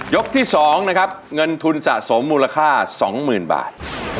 ยกที่สองนะครับเงินทุนสะสมมูลค่าสองหมื่นบาท